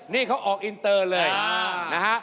นี่เขาออกอินเตอร์เลยนะฮะ